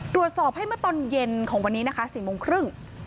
ตรวจสอบให้เมื่อตอนเย็นของวันนี้นะคะ๔โมงครึ่ง